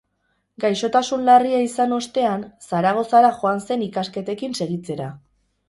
Gaixotasun larria izan ostean, Zaragozara joan zen ikasketekin segitzera